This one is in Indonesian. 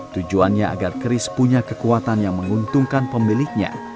tujuannya agar chris punya kekuatan yang menguntungkan pemiliknya